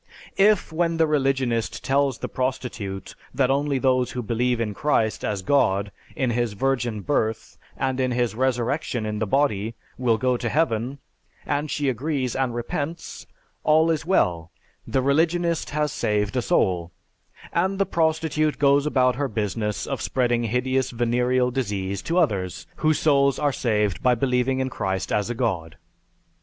If when the religionist tells the prostitute that only those who believe in Christ as God, in His Virgin Birth, and in His Resurrection in the Body, will go to heaven, and she agrees and repents all is well; the religionist has saved a soul, and the prostitute goes about her business of spreading hideous venereal disease to others whose souls are saved by believing in Christ as a God.